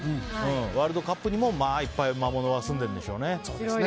ワールドカップにも魔物がいっぱいすんでるんでしょうね。